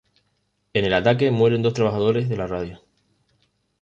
En el ataque mueren dos trabajadores de la radio.